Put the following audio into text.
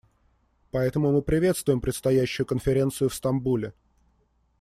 Поэтому мы приветствуем предстоящую конференцию в Стамбуле.